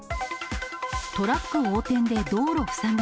トラック横転で道路塞ぐ。